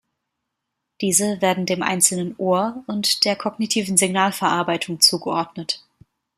Diese werden dem einzelnen Ohr und der kognitiven Signalverarbeitung zugeordnet.